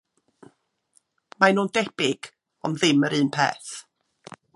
Maen nhw'n debyg ond ddim yr un peth.